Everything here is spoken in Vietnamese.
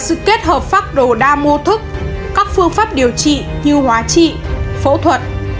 sự kết hợp phác đồ đa mô thức các phương pháp điều trị như hóa trị phẫu thuật